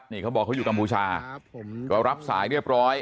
นี่เขาบอกเขาอยู่กัมพูชาก็รับสายเรียบร้อย